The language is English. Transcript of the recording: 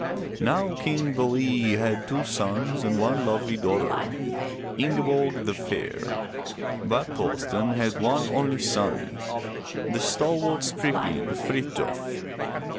Now King Be'le had two sons and one lovely daughter, Ing' e borg the Fair. But Thor'sten had one only son, the stalwart stripling Frith'jof.